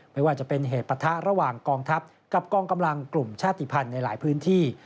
ไม่ว่าจะเป็นเหตุปะทะระหว่างกองทัพกับกองกำลังกลุ่มชาติภัณฑ์ในหลายพื้นที่